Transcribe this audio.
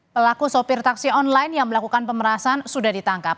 pelaku sopir taksi online yang melakukan pemerasan sudah ditangkap